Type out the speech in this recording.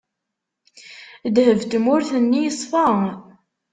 Ddheb n tmurt-nni yeṣfa.